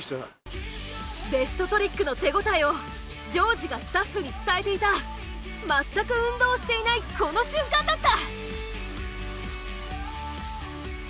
ベストトリックの手応えを丈司がスタッフに伝えていた全く運動をしていないこの瞬間だった！